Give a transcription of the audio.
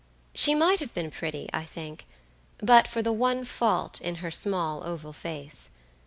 She might have been pretty, I think, but for the one fault in her small oval face.